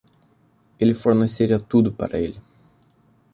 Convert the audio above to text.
Ele forneceria tudo para ele.